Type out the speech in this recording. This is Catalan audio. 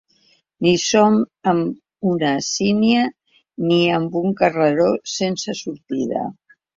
Ni som en una sínia ni en un carreró sense sortida.